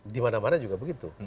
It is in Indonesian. di mana mana juga begitu